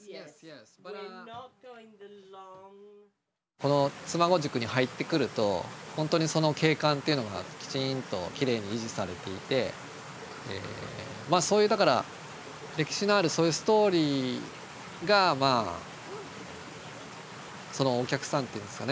この妻籠宿に入ってくると本当にその景観っていうのがきちんときれいに維持されていてまあそういうだから歴史のあるそういうストーリーがそのお客さんっていうんですかね